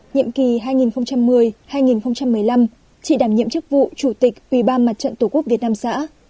nhiệm kỳ hai nghìn một mươi hai nghìn một mươi năm chị đảm nhiệm chức vụ chủ tịch ủy ban mặt trận tổ quốc việt nam xã